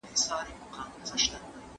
که فزيکي زور نه وي نظم به ګډوډ سي.